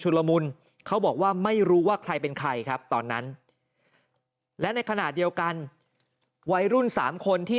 ละมุนเขาบอกว่าไม่รู้ว่าใครเป็นใครครับตอนนั้นและในขณะเดียวกันวัยรุ่น๓คนที่